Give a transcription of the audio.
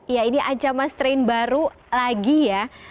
ya ini ancaman strain baru lagi ya